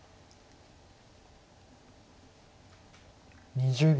２０秒。